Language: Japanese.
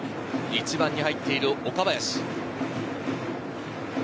１番に入っている岡林。